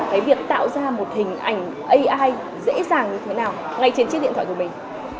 cái việc tạo ra một hình ảnh ai dễ dàng như thế nào ngay trên chiếc điện thoại của mình